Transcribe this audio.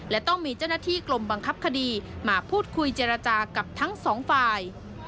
และต้องมีเจ้าหน้าที่กลมบังคับคดีมาพูดคุยเจรจากับทั้งสองฝ่าย